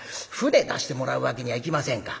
舟出してもらうわけにはいきませんか？」。